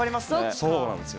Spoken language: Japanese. そうなんですよ。